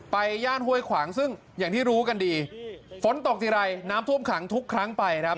ย่านห้วยขวางซึ่งอย่างที่รู้กันดีฝนตกทีไรน้ำท่วมขังทุกครั้งไปครับ